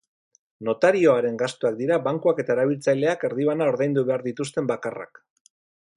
Notarioaren gastuak dira bankuak eta erabiltzaileak erdibana ordaindu behar dituzten bakarrak.